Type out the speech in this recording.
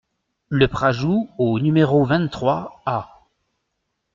Le Prajou au numéro vingt-trois A